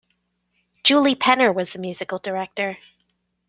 Julie Penner was the musical director.